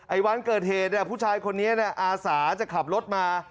วันเกิดเหตุเนี่ยผู้ชายคนนี้อาสาจะขับรถมา